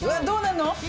どうなんの？